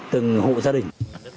từng hộ gia đình